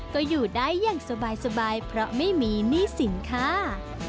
ก็อยู่ได้อย่างสบายเพราะไม่มีหนี้สินค่ะ